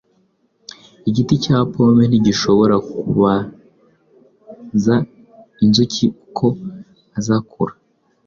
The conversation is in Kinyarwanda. Igiti cya pome ntigishobora kubaza inzuki uko azakura